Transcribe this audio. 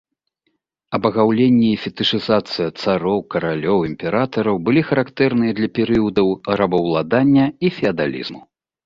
Абагаўленне і фетышызацыя цароў, каралёў, імператараў былі характэрныя для перыядаў рабаўладання і феадалізму.